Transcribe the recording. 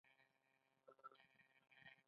چین صادرات ډېر کړل.